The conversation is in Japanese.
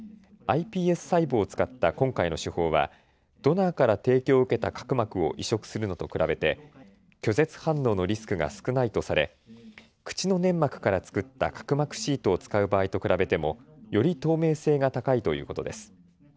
ｉＰＳ細胞を使った今回の手法はドナーから提供を受けた角膜を移植するのと比べて拒絶反応のリスクが少ないとされ口の粘膜から作った角膜シートを使う場合と比べてもより透明性が高いということです。